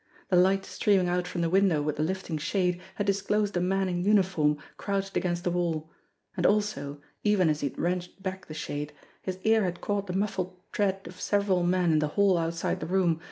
The light streaming out from the window with the lifting shade had disclosed a man in uniform crouched against the wall. And also, even as he had wrenched back the shade, his ear had caught the muffled tread of several men in the hall outside the room.